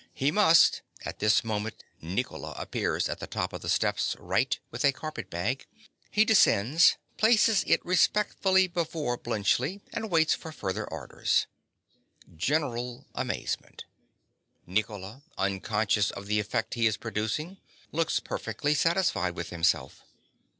He must—(_At this moment Nicola appears at the top of the steps R., with a carpet bag. He descends; places it respectfully before Bluntschli; and waits for further orders. General amazement. Nicola, unconscious of the effect he is producing, looks perfectly satisfied with himself.